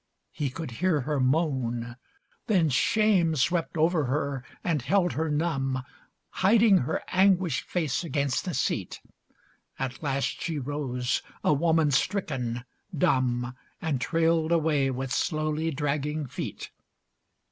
He could hear her moan. XXXVII Then shame swept over her and held her numb, Hiding her anguished face against the seat. At last she rose, a woman stricken dumb And trailed away with slowly dragging feet.